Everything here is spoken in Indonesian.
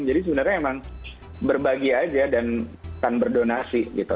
jadi sebenarnya emang berbagi aja dan kan berdonasi gitu